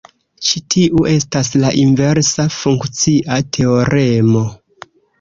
Ĉi tiu estas la inversa funkcia teoremo.